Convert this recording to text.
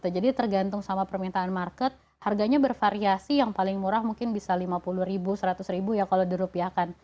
jadi tergantung sama permintaan market harganya bervariasi yang paling murah mungkin bisa lima puluh ribu seratus ribu ya kalau dirupiahkan